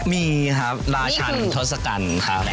มีครับราชันทศกัณฐ์ครับ